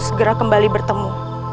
segera kembali bertemu